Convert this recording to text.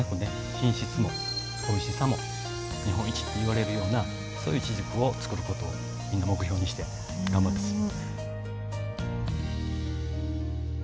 品質もおいしさも日本一といわれるようなそういういちじくを作ることをみんな目標にして頑張ってます。